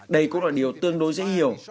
đây cũng là điều tương đối dễ hiểu